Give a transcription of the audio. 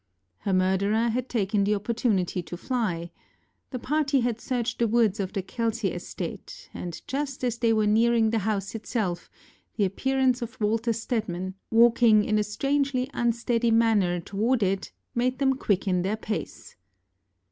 Her murderer had taken the opportunity to fly. The party had searched the woods of the Kelsey estate, and just as they were nearing the house itself the appearance of Walter Stedman, walking in a strangely unsteady manner toward it, made them quicken their pace.